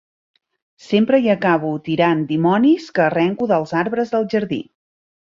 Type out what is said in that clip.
Sempre hi acabo tirant dimonis que arrenco dels arbres del jardí.